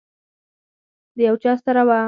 د یو چا سره وه.